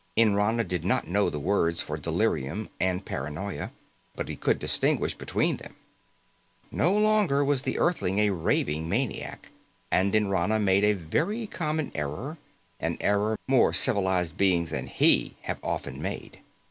Nrana did not know the words for delirium and paranoia, but he could distinguish between them. No longer was the Earthling a raving maniac, and Nrana made a very common error, an error more civilized beings than he have often made.